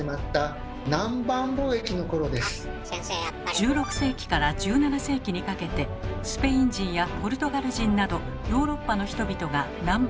１６世紀から１７世紀にかけてスペイン人やポルトガル人などヨーロッパの人々が南蛮